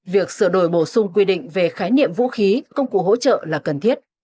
việc sửa đổi bổ sung quy định về khái niệm vũ khí công cụ hỗ trợ là cần thiết